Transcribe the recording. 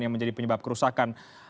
yang menjadi penyebab kerusakan